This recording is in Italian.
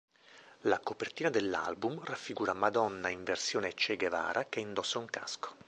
La copertina dell'album raffigura Madonna in versione Che Guevara che indossa un casco.